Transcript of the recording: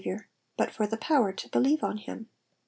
iour, but for the power to believe on him.